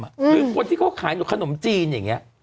หรือคนที่เขาขายขนมจีนอย่างนี้